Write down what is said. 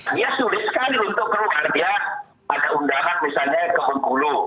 dia sulit sekali untuk keluarga ada undangan misalnya ke bengkulu